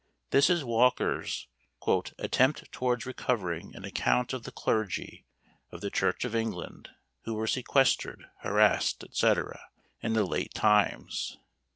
This is Walker's "Attempt towards recovering an Account of the Clergy of the Church of England who were sequestered, harassed, &c., in the late Times."